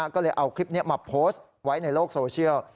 ก็เลยเอาคลิปนี้มาโพสต์ไว้ในโลกโซเชียล